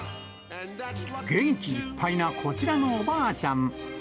元気いっぱいなこちらのおばあちゃん。